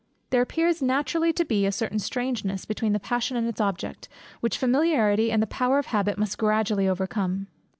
There appears naturally to be a certain strangeness between the passion and its object, which familiarity and the power of habit must gradually overcome.